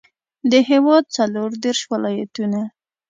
د هېواد څلوردېرش ولایتونه.